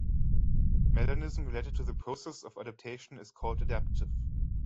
Melanism related to the process of adaptation is called adaptive.